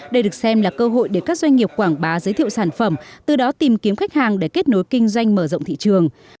đây được xem là cơ hội để các doanh nghiệp quảng bá giới thiệu sản phẩm từ đó tìm kiếm khách hàng để kết nối kinh doanh mở rộng thị trường